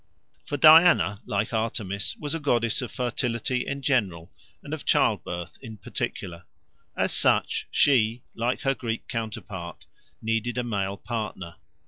For Diana, like Artemis, was a goddess of fertility in general, and of childbirth in particular. As such she, like her Greek counterpart, needed a male partner.